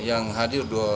yang hadir dua orang